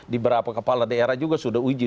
di beberapa kepala daerah juga sudah uji